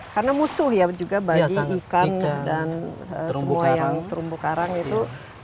karena musuh ya juga badi ikan dan semua yang terumbu karang itu